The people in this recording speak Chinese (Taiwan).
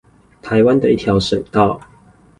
台灣的一條省道